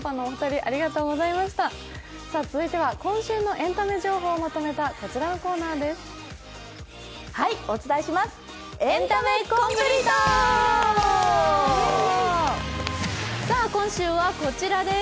続いては今週のエンタメ情報をまとめたこちらのコーナーですす。